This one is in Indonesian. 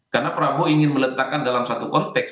karena prabowo ingin meletakkan dalam satu konteks